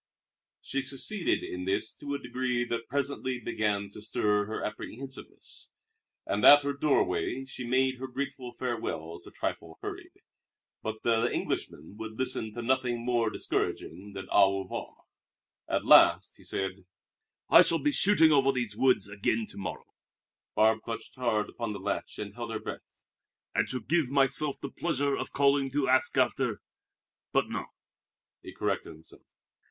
She succeeded in this to a degree that presently began to stir her apprehensiveness, and at her doorway she made her grateful farewells a trifle hurried. But the Englishman would listen to nothing more discouraging than au revoir. At last he said: "I shall be shooting over these woods again to morrow" Barbe clutched hard upon the latch and held her breath "and shall give myself the pleasure of calling to ask after but no!" he corrected himself.